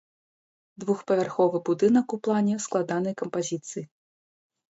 Двухпавярховы будынак, у плане складанай кампазіцыі.